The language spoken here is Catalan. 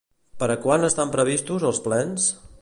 Per a quan estan previstos els plens?